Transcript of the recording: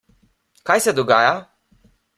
Kaj se dogaja?